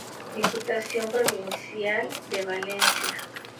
Diputación Provincial de Valencia.